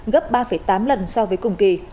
gấp ba năm triệu usd